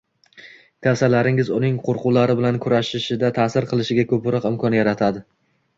tavsiyalaringiz uning qo‘rquvlari bilan kurashishida ta’sir qilishiga ko‘proq imkon yaratadi.